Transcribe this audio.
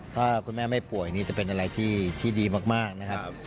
ถ้าคุณแม่ไม่ป่วยนี่จะเป็นอะไรที่ดีมากนะครับ